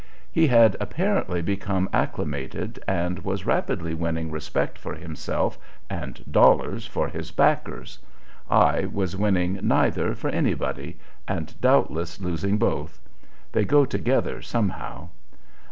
He had apparently become acclimated, and was rapidly winning respect for himself and dollars for his backers; I was winning neither for anybody, and doubtless losing both, they go together, somehow.